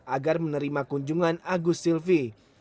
agar menerima kunjungan agus silvi